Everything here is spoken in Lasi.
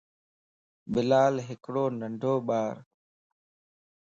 بلال ھڪڙو ننڍو ٻار